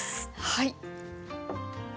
はい。